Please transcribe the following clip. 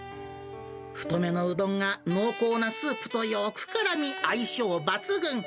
太めのうどんが濃厚なスープとよくからみ、相性抜群。